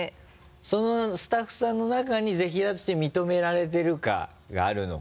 そのスタッフさんの中にぜひらーとして認められてるかがあるのか。